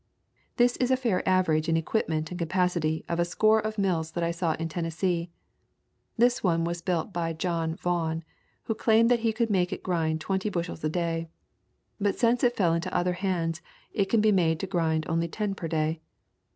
This is a fair average in equipment and ca pacity of a score of mills that I saw in Tennes see. This one was built by John Vohn, who claimed that he could make it grind twenty bushels a day. But since it fell into other hands it can be made to grind only ten per day.